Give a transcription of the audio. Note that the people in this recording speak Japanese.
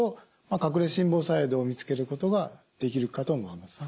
隠れ心房細動を見つけることができるかと思います。